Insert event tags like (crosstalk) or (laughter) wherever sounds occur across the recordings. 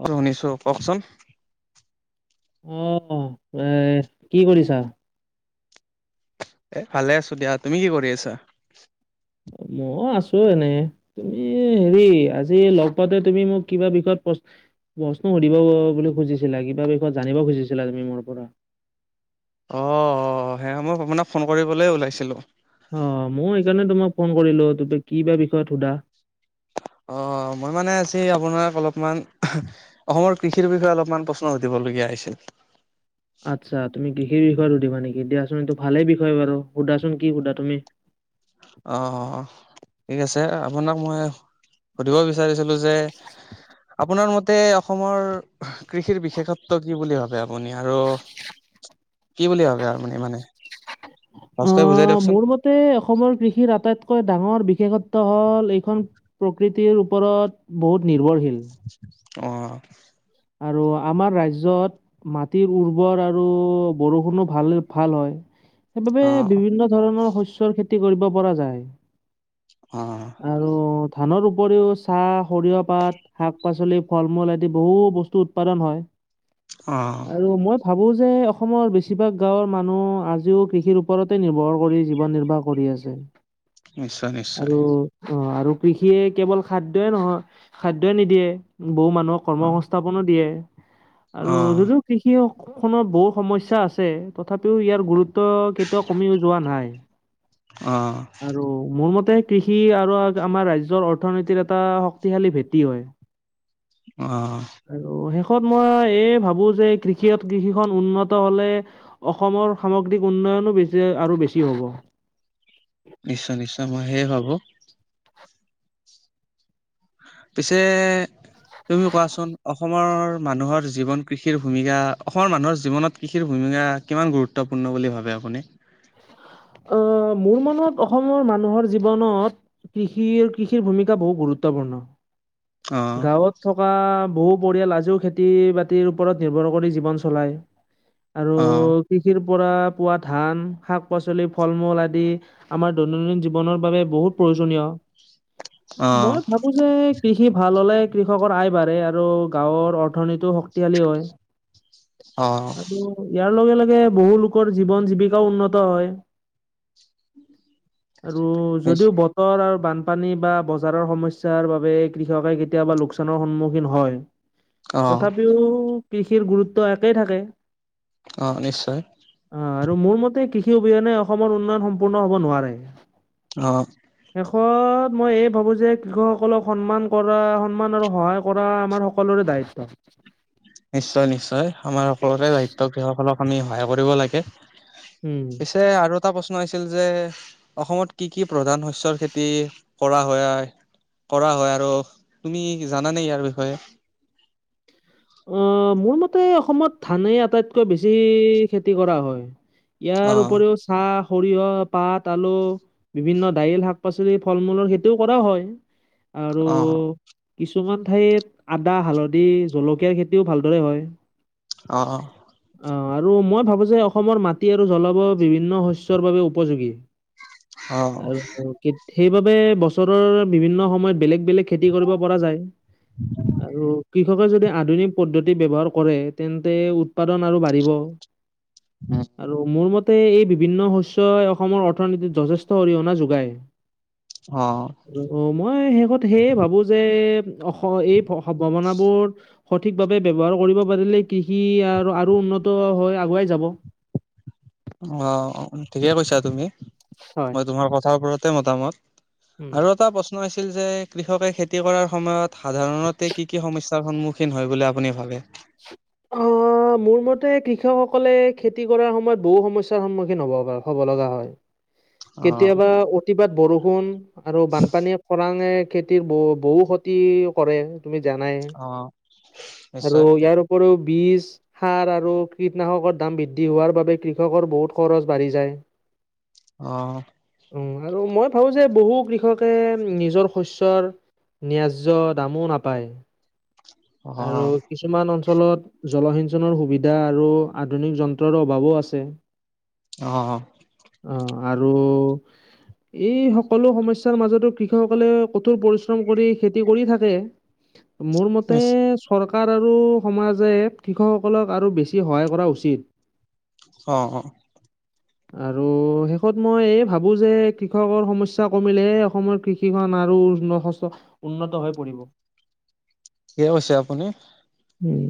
অহ শুনিছো কওকচোন অহ এ কি কৰিছা এ ভালে আছো দিয়া তুমি কি কৰি আছা মই আছো এনে তুমি হেৰি আজি লগ পাতে তুমি মোক কিবা বিষয়ত প্ৰশ্ন প্ৰশ্ন সুধিব বুলি খুজিছিলা কিবা বিষয়ত জানিব খুজিছিলা তুমি মোৰ পৰা অহ সেই সময়ত মানে ফোন কৰিবলৈ ওলাইছিলো অহ মই সেইকাৰণে তোমাক ফোন কৰিলো ত কি বা বিষয়ত সোধা অহ মই মানে আজি আপোনাক অলপমান অসমৰ কৃষিৰ বিষয়ে অলপমান প্ৰশ্ন সুধিব লগীয়া আহিছিল আচ্ছা তুমি কি কৃষি বিষয়ত সুধিবা নেকি দিয়াচোন এইটো ভালেই বিষয় বাৰু সুধাচোন কি সোধা তুমি অহ ঠিক আছে আপোনাক মই সুধিব বিচাৰিছিলো যে আপোনাৰ মতে অসমৰ কৃষিৰ বিশেষ্যত্ব কি বুলি ভাবে আপুনি আৰু কি বুলি ভাবে আৰু মানে মানে সহজকৈ বুজাই অহ দিয়কচোন মোৰ মতে অসমৰ কৃষিৰ আটাইত আটাইতকৈ ডাঙৰ বিশেষ্যত্ব হ'ল এইখন প্ৰকৃতিৰ ওপৰত বহুত নিৰ্ভৰশীল অহ আৰু আমাৰ ৰাজ্যত মাটিৰ উৰ্বৰ আৰু বৰষুণো ভাল ভাল হয় সেইবাবে অ', বিভিন্ন ধৰণৰ শস্যৰ খেতি কৰিব পৰা যায় অ', আৰু ধানৰ উপৰিও চাহ, সৰিয়হ, পাত, শাক- পাচলি, ফল- মূল আদি বহু বস্তু উৎপাদন হয় অ', আৰু মই ভাবো যে অসমৰ বেছিভাগ গাঁৱৰ মানুহ আজিও কৃষিৰ ওপৰতে নিৰ্ভৰ কৰি জীৱন নিৰ্বাহ কৰি আছে নিশ্চয় নিশ্চয় অহ আৰু কৃষিয়ে কেৱল খাদ্যই নহয় খাদ্যই নিদিয়ে বহু মানুহক কৰ্ম অ', সংস্থাপনো দিয়ে আৰু অ', যদিও কৃষি হওঁক খত বহুত সমস্যা আছে তথাপিও ইয়াৰ গুৰুত্ব কেতিয়াও কমিও যোৱা নাই অ', আৰু মোৰ মতে কৃষি আৰু আমাৰ ৰাজ্যৰ অৰ্থনীতিৰ এটা শক্তিশালী ভেটি হয় অ আৰু মই এই ভাবো যে কৃষ কৃষিখন উন্নত হলে অসমৰ সামগ্ৰিক উন্ন য়নো বেছি আৰু বেছি হ'ব নিশ্চয় নিশ্চয় মই সেয়ে ভাবো পিছে তুমি কোৱাচোন অসমৰ মানুহৰ জীৱন কৃষিৰ ভূমিকা অসমৰ মানুহৰ জীৱনত কৃষিৰ ভূমিকা কিমান গুৰুত্বপূৰ্ণ কি বুলি ভাবে আপুনি। আহ মোৰ মনত অসমৰ মানুহৰ জীৱনত কৃষিৰ কৃষিৰ ভূমিকা বহুত গুৰুত্বপূৰ্ণ অ', গাঁৱত থকা বহুত পৰিয়াল আজিও খেতি বাতিৰ ওপৰত নিৰ্ভৰ কৰি জীৱন চলায় আৰু অ', কৃষিৰ পাৰা হোৱা ধান শাক পাচলি আদি আমাৰ দৈনন্দিন জীৱ বাবে বহুত প্ৰয়োজনীয় অ', মই ভাবো যে কৃষি ভাল হ'লে কৃষকৰ আয় বাঢ়ে আৰু গাঁৱৰ অৰ্থনীতিও শক্তিশালী হয় অ', আৰু ইয়াৰ লগে লগে বহু লোকৰ জীৱন জীৱিকাও উন্নত হয় আৰু নিশ যদিও বতৰ আৰু বানপানী বা বজাৰৰ সমস্যাৰ বাবে কৃষকে কেতিয়াবা লোকচানৰ সন্মুখীন হয় অ', তথাপিও কৃষিৰ গুৰুত্ব একেই থাকে অহ নিশ্চয় অঁ আৰু মোৰ মতে কৃষি অবিহনে অসমৰ উন্নয়ন সম্পূৰ্ণ হ'ব নোৱাৰে অঁ দেশত মই এই ভাবো যে কৃষকসকলক সন্মান কৰা সন্মান আৰু সহায় কৰা আমাৰ সকলোৰে দায়ছ নিশ্চয় নিশ্চয় আমাৰ সকলোৰে সাহিত্যয় কৃষসকলক আমি সহায় কৰিব লাগে উম। পিছে আৰু এটা প্ৰশ্ন আছিল যে অসমত কি কি প্ৰধান শস্য়ৰ খেতি কৰা হয় কৰা হয় আৰু তুমি জানানে ইয়াৰ বিষয়ে আহ মোৰ মতে অসমত ধানেই আটাইতকৈ বেছি খেতি কৰা হয় ইয়াৰ অ', উপৰিও চাহ সৰিয়হ পাত আলু বিভিন্ন দাইল শাক পাচলি ফল মূলৰ সেইটোও কৰা হয় আৰু অ', কিছুমান ঠাইত আদা হালধি জলকীয়া খৰ খেতিও ভালদৰে হয় অঁ অঁ আৰু মই ভাবো যে অসমৰ মাটি আৰু জলবায়ু বিভিন্ন শস্যৰ বাবে উপযোগী অ', আৰু কিট সেইবাবে বছৰৰ বিভিন্ন সময়ত বেলেগ বেলেগ খেতি কৰিব পৰা যায় আৰু কৃষকৰ যদি। আধুনিক পদ্ধতি ব্যৱহাৰ কৰে তেন্তে উৎপাদন আৰু বাঢ়িব আৰু মোৰ মতে তে এই বিভিন্ন শস্যই অসমৰ অৰ্থনীতিত যথেষ্ট অৰিহণা যোগায় অ', অ অঁ মই শেষত সেয়ে ভাবো যে অ এই সম্ভাৱ বোৰ সঠিকভাৱে ব্যৱহাৰ কৰি পাৰিলে কৃষি আৰু আৰু উন্নত হয় আগুৱাই যাব অ ঠিকে কৈছা তুমি হয়। মই তোমাৰ কথাৰ ওপৰতে মতামত আৰু এটা প্ৰশ্ন হৈছে যে কৃষকে খেতি কৰাৰ সময়ত সাধাৰণতে কি কি সমস্যা সন্মুখীন হয় বুলি আপুনি ভাবে অঁ অঁ মোৰ মতে কৃষকসকলে খেতি কৰাৰ সময়ত বহু সমস্যা সন্মুখীন হ'ব হ'ব লগা হয় অ', কেতিয়াবা অতিবাত বৰষুণ আৰু বানপানীয়ে খৰাং খেতিৰ বহ বহু ক্ষতি কৰে তুমি জানাই অ', আৰু নিশ্চয় ইয়াৰ উপৰিও বীজ সাৰ আৰু কীটনাশকৰ দাম বৃদ্ধি হোৱাৰ বাবে কৃষকৰ বহুত খৰচ বাঢ়ি যায় আহ উ আৰু মই ভাবো যে বহু কৃষকে নিজৰ শস্যৰ ন্যয্য দামো নাপায় আৰু অ', কিছুমান অল। অঞ্চলত জলসিঞ্চনৰ সুবিধা আৰু আধুনিক যন্ত্ৰৰ অভাৱো আছে অ অ আৰু এই সকলো সমস্যাৰ মাজতো কৃষকসকলে কঠোৰ পৰিশ্ৰম কৰি খেতি কৰি থাকে। মোৰ ম ততে নিশ্চ চৰকাৰ আৰু সমাজে কৃষকসকলক আৰু বেছি সহায় কৰা উচিত অ অ আৰু শেষত মই এই ভাবোঁ যে কৃষকৰ সমস্যা কমিলেহে অসমৰ কৃষিখন আৰু উচ উন্নত হৈ পৰিব কি ক হৈছে আপুনি উম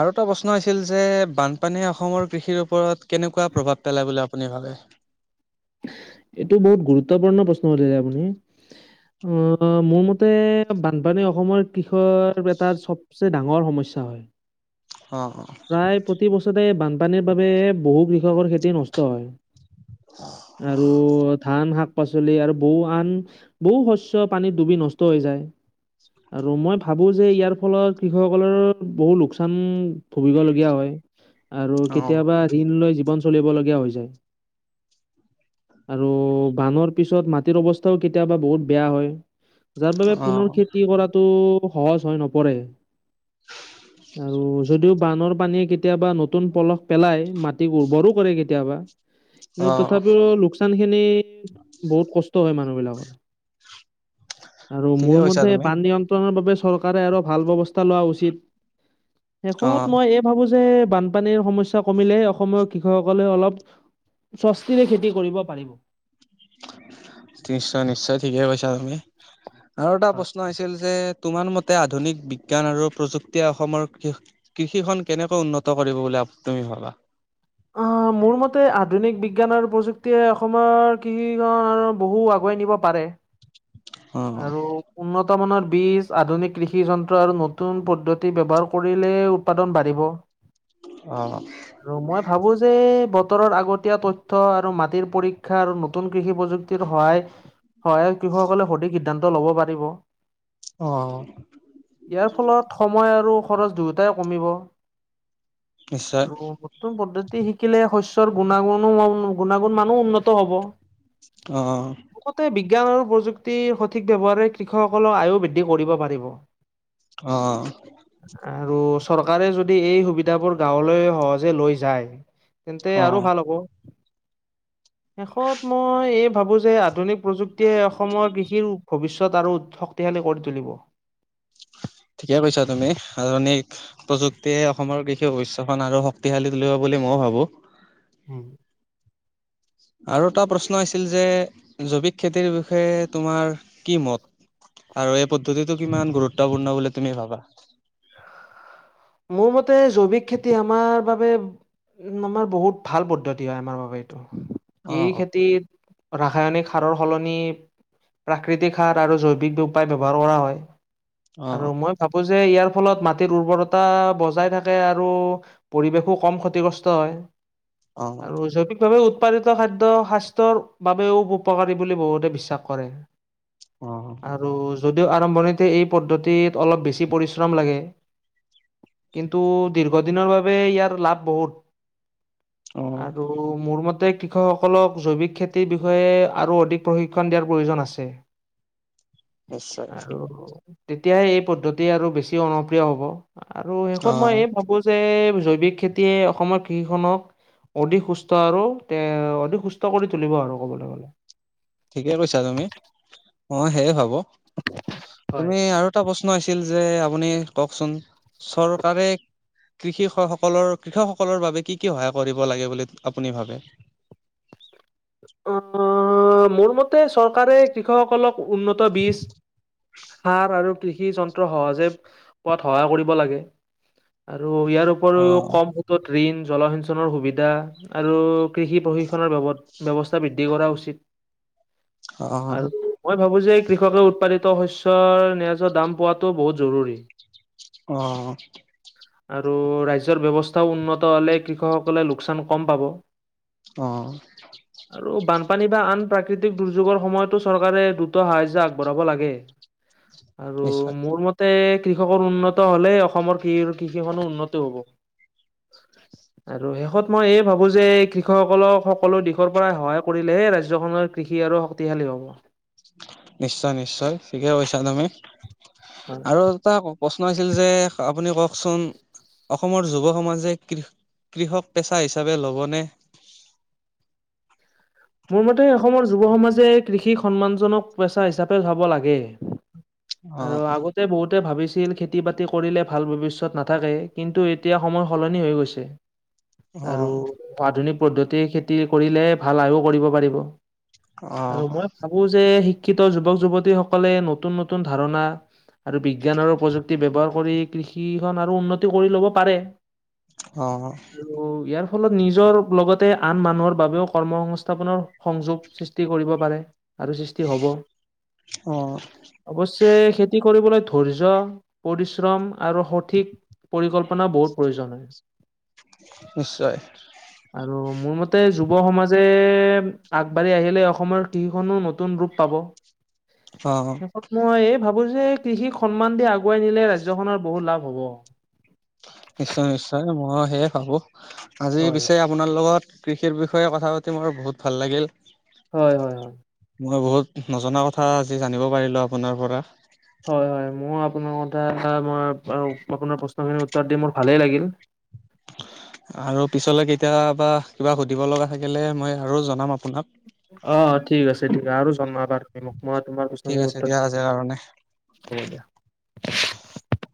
আৰু এটা প্ৰশ্ন হৈছিল যে বানপানীয়ে অসমৰ কৃষিৰ ওপৰত কেনেকুৱা প্ৰভাৱ পেলায় বুলি আপুনি ভাবে অ এইটো বহুত গুৰুত্বপূৰ্ণ প্ৰশ্ন শুধিছে আপোনি অ মোৰ মতে বানপানী অসমৰ কৃষৰ এটা চবচে ডাঙৰ সমস্যা অ', প্ৰায় প্ৰতি বছৰে বান পানীৰ বাবে বহু কৃষকৰ খেতি নষ্ট হয় আৰু ধান শাক পাচলি আৰু বহু আন বহু শচ্য পানীত ডুবি নষ্ট হৈ যায় আৰু মই ভাবো যে ইয়াৰ ফলত কৃষকসকলৰ বহু লোকচান ভুগিবলগীয়া হয়। আৰু অ', কেতিয়াবা ঋণ লৈ জীৱন চলিবলীয়া হৈ যায় আৰু বানৰ পিছত মাটিৰ অৱস্থাও কেতিয়াবা বহুত বেয়া হয় যাৰ বাবে অ', পুনৰ অ', খেতি কৰাতটো সহজ হৈ নপৰে আৰু যদিও বানানৰ পানীৰ কেতিয়া কেতিয়াবা নতুন পলস পেলাই মাটিক উৰ্বৰো কৰে কেতিয়াবা কি অ', তথাপিও লোকচানখিনি বহুত কষ্ট হয় মানুহবিলাকৰ আৰু ঠিকে মোৰ কৈছা মতে তুমি বান নিয়ন্ত্ৰণৰ বাবে চৰকাৰে আৰু ভাল ব্যৱস্থা লোৱা উচিত শেষত অ', মই এই ভাবো যে বানপানীৰ সমস্যা কমিলে অসমৰ কৃষকসকলে অলপ স্বস্তিৰে খেতি কৰিব পাৰিব নিশ্চয় নিশ্চয় ঠিকেই কৈছা তুমি আৰু এটা প্ৰশ্ন আছিল যে তোমাৰ মতে আধুনিক বিজ্ঞান আৰু প্ৰযুক্তিয় অসমৰ কৃষি খন কেনেকৈ উন্নত কৰিব বুলি তুমি ভাবা অ' মোৰ মতে আধুনিক বিজ্ঞান আৰু প্ৰযুক্তিয়ে অসমৰ কৃষিখননৰ বহু আগুৱাই নিব পাৰে অ অ বৰ্তমানৰ বীজ আধুনিক কৃষি যন্ত্ৰ আৰু নতুন পদ্ধতি ব্যৱহাৰ কৰিলে উৎপাদন বাঢ়িব অ', আৰু মই ভাবো যে বতৰৰ আগতীয়া তথ্য আৰু মাটিৰ পৰীক্ষা আৰু নতুন কৃষি প্ৰযুক্তিৰ সহায় হয় কৃষক সকলে সধিক সিদ্ধান্ত লব পাৰিব অ', ইয়াৰ ফলত সময় আৰু খৰচ দুয়োটাই কমিব নিশ্চয় আৰু নতুন পদ্ধতি হিকিলে সৈচ্য গুণাগুণো গুণাগুণ মানো উন্নত হ'ব অহ লগতে বিজ্ঞান আৰু প্ৰযুক্তিৰ সঠিক ব্যৱহাৰে কৃষকসকলৰ আয়ো বৃদ্ধি কৰিব পাৰিব। অ অ আৰু অ চৰকাৰে যদি এই সুবিধাবোৰ গাঁৱলৈ সহজে লৈ যায় তেন্তে আৰু অ', ভাল হ'ব শেষত মই এই ভাবোঁ যে আধুনিক প্ৰযুক্তিয়ে অসমৰ কৃষ ভৱিষ্যত আৰু শক্তিশালী কৰি তুলিব উ ঠিকে কৈছা তুমি, আধুনিক প্ৰযুক্তিয়ে অসমৰ কৃষি ভৱিষ্যখন আৰু শক্তিশালী তুলিব বুলি ম মই ভাবো। হম। আৰু এটা প্ৰশ্ন আছিল যে জৈৱিক খেতিৰ বিষয়ে তোমাৰ কি মত? আৰু এই পদ্ধতিটো কিমান গুৰুত্বপূৰ্ণ বুলি তুমি ভাবা? মোৰ মতে জৈৱিক খেতি আমাৰ বাবে উম আমাৰ বহুত ভাল পদ্ধতি হয় আমাৰ বাবে। এইটো এই অ', খেতিত ৰাসায়নিক সাৰৰ সলনি প্ৰাকৃতিক সাৰ আৰু জৈৱিক উপায় ব্যৱহাৰ কৰা হয়। আৰু অ', মই ভাবো যে ইয়াৰ ফলত মাটিৰ উৰ্বৰতা টা বজাই থাকে আৰু পৰিৱেশো কম ক্ষতিগ্ৰস্ত হয়। অ', আৰু জৈৱিকভাৱে উৎপাদিত খাদ্য স্বাস্থ্যৰ বাবেও উপকাৰী বুলি বহুতে বিশ্বাস কৰে। অ', আৰু যদি যদি আৰম্ভণিতে এই পদ্ধতিত অলপ বেছি পৰিশ্ৰম লাগে কিন্তু দীৰ্ঘদিনৰ বাবে ইয়াৰ লাভ বহুত। অ', আৰু মোৰ মতে কৃষকসকলক জৈৱিক খেতিৰ বিষয়ে আৰু অধিক প্ৰশিক্ষণ দিয়াৰ প্ৰয়োজন আছে। নিশ্চয় আৰু তেতিয়াহে এই পদ্ধতি আৰু বেছি অনুপ্ৰিয় হ'ব। আৰু শেষত অ', মই এই ভাবো যে জৈৱিক খেতিয়ে অসমৰ কৃষিখনক অধিক সুস্থ আৰু তে অধিক সুস্থ কৰি তুলিব আৰু কবলৈ গ'লে। ঠিকে কৈছা তুমি। অ সেয়ে ভাবো। হয়, তুমি আৰু এটা প্ৰশ্ন আছিল যে আপুনি কওকচোন। চৰকাৰে কৃষি স সকলৰ কৃষকসকলৰ বাবে কি কি সহায় কৰিব লাগে বুলি আপুনি ভাবে? (inaudible) অ মোৰ মতে চৰকাৰে কৃষকসকলক উন্নত বীজ সাৰ আৰু কৃষি যন্ত্ৰ সহজে পোৱাত সহায় কৰিব লাগে। আৰু আৰু ইয়াৰ অ উপৰিও কম সুদত ঋণ জলসিঞ্চনৰ সুবিধা আৰু কৃষি প্ৰশিক্ষণৰ বাবদ ব্যৱস্থা বৃদ্ধি কৰা উচিত, অ আৰু মই ভাবো যে কৃষকে উৎপাদিত শস্যৰ (unintelligible) দাম পোৱাটো বহুত জৰুৰী। অ। আৰু ৰাজ্যৰ ব্যৱস্থাও উন্নত হ'লে কৃষকসকলে লোকচান কম পাব। অহ। আৰু বানপানী বা আন প্ৰাকৃতিক দুৰ্যোগৰ সময়তো চৰকাৰে দ্ৰুত সাহায্য আগবঢ়াব লাগে। (inaudible) আৰু নিশ্চয় মোৰ মতে কৃষকৰ উন্নত হলেই অসমৰ কৃষিখনো উন্নত হ'ব। আৰু শেষত মই এই ভাবো যে কৃষকসকলক সকলো দিশৰ পৰা সহায় কৰিলেহে ৰাজ্যখনৰ কৃষি আৰু শক্তিশালী হ'ব। নিশ্চয় নিশ্চয় ঠিকে কৈছা তুমি, হয়, আৰু এটা প্ৰশ্ন আছিল যে আপুনি কওকচোন- অসমৰ যুৱ সমাজে কৃষক পেচা হিচাপে ল'বনে? (inaudible) মোৰ মতে অসমৰ যুৱ সমাজে কৃষি সন্মানজনক পেচা হিচাপে ভাব লাগে। অ আৰু আগতে বহুতে ভাবিছ শিল খেতি বাতি কৰিলে ভাল ভৱিষ্যত নাথাকে কিন্তু এতিয়া সময় সলনি হৈ গৈছে। অ আৰু আধুনিক পদ্ধতি খেতি কৰিলে ভাল আয়ও কৰিব পাৰিব। অ আৰু মই ভাবো যে শিক্ষিত যুৱক যুৱতী সকলে নতুন নতুন ধাৰণা আৰু বিজ্ঞান আৰু প্ৰযুক্তি ব্যৱহাৰ কৰি কৃষিখন আৰু উন্নতি কৰি ল'ব পাৰে। অ আৰু ইয়াৰ ফলত নিজৰ লগতে আন মানুহৰ বাবেও কৰ্মসংস্থান স্থাপনৰ সংযোগ সৃষ্টি কৰিব পাৰে। আৰু সৃষ্টি হ'ব, অ অৱশ্যে খেতি কৰিবলৈ ধৈৰ্য পৰিশ্ৰম আৰু সঠিক (unintelligible) পৰিকল্পনা বহুত প্ৰয়োজন হয়।, নিশ্চয় আৰু মোৰ মতে যুৱ সমাজে আগবাঢ়ি আহিলে অসমৰ কৃষিখনো নতুন ৰূপ পাব। অ শেষত মই এই ভাবো ভাব যে কৃষিক সন্মান দি আগুৱাই নিলে ৰাজ্যখনৰ বহুত লাভ হ'ব। নিশ্চয় নিশ্চয় মই সেয়ে ভাবো আজি হয়, পিছে আপোনাৰ লগত কৃষিৰ বিষয়ে কথা পাতি মোৰ বহুত ভাল লাগিল। হয় হয় হয়। মই বহুত নজনা কথা আজি জানিব পাৰিলো আপোনাৰ পৰা হয় হয় মই আপোনাৰ কথা এটাই আপোনাৰ প্ৰশ্নখিনি উত্তৰ দি মোৰ ভালেই লাগিল। আৰু পিছলে কেতিয়াবা কিবা সুধিব লগা থাকিলে মই আৰু জনাম আ অৱ ঠিক আছে ঠিক আছে আৰু জনাবা তুমি মোক মই তোমাৰ ঠিক আছে উত্তৰ দিয়া আজিৰ কাৰণে। দিম হ'ব দিয়া